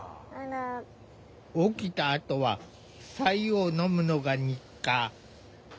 起きたあとはさ湯を飲むのが日課。